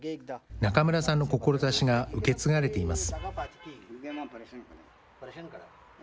中村さんの志が受け継がれています。